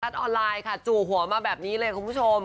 ออนไลน์ค่ะจู่หัวมาแบบนี้เลยคุณผู้ชม